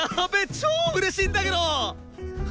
超うれしいんだけど！